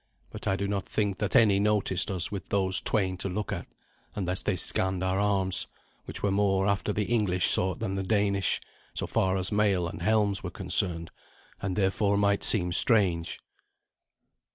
But I do not think that any noticed us with those twain to look at, unless they scanned our arms, which were more after the English sort than the Danish, so far as mail and helms are concerned, and therefore might seem strange.